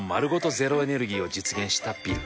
ゼロエネルギーを実現したビル。